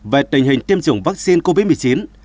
về tình hình tiêm chủng vắc xin